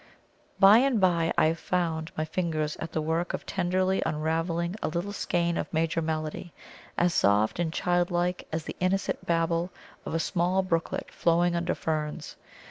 By and by I found my fingers at the work of tenderly unravelling a little skein of major melody, as soft and childlike as the innocent babble of a small brooklet flowing under ferns.